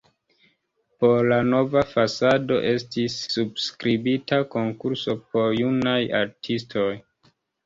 Por la nova fasado estis subskribita konkurso por junaj artistoj.